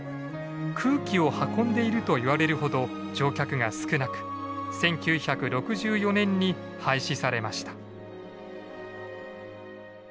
「空気を運んでいる」といわれるほど乗客が少なく１９６４年に廃止されました。